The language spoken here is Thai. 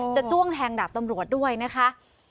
จ้วงแทงดาบตำรวจด้วยนะคะ